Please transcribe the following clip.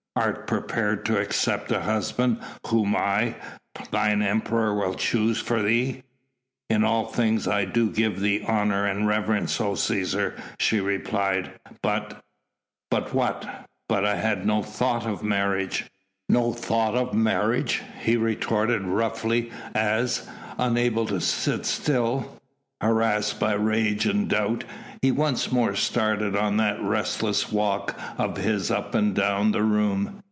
"Art prepared to accept the husband whom I, thine Emperor will choose for thee?" "In all things do I give thee honour and reverence, O Cæsar," she replied, "but " "But what?" "But I had no thought of marriage." "No thought of marriage!" he retorted roughly as, unable to sit still, harassed by rage and doubt, he once more started on that restless walk of his up and down the room.